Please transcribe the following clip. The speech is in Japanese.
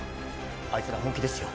あいつら本気ですよ